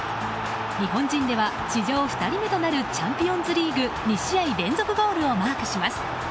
日本人では史上２人目となるチャンピオンズリーグ２試合連続ゴールをマークします。